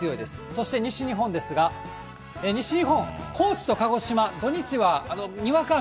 そして西日本ですが、西日本、高知と鹿児島、土日はにわか雨。